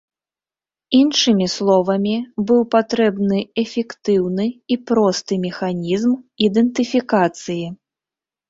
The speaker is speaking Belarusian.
Іншымі словамі, быў патрэбны эфектыўны і просты механізм ідэнтыфікацыі.